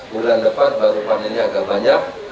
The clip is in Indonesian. bulan depan baru panennya agak banyak